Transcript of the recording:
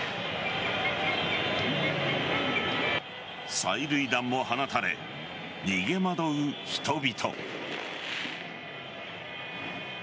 催涙弾も放たれ、逃げ惑う人々。